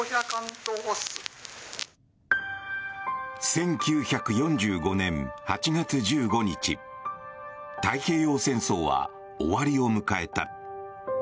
１９４５年８月１５日太平洋戦争は終わりを迎えた。